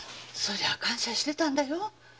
そりゃ感謝してたんだよ。